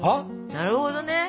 なるほど？